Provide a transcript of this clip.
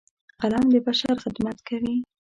قلم د بشر خدمت کوي